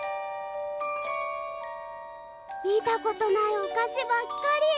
見たことないお菓子ばっかり！